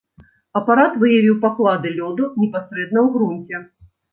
Апарат выявіў паклады лёду непасрэдна ў грунце.